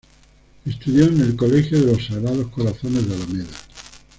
Estudió en el Colegio de Los Sagrados Corazones de Alameda.